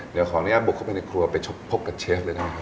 เดี๋ยวขออนุญาตบุกเข้าไปในครัวไปพบกับเชฟเลยนะครับ